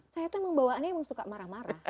saya tuh emang bawaannya emang suka marah marah